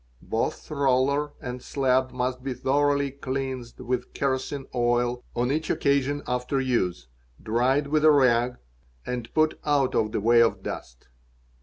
Both roller and slab must be thoroughly cleansed with kerosine oil on each occasion after use, dried with a rag and put out of the way of dust.